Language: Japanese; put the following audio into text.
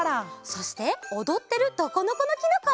そしておどってる「ドコノコノキノコ」！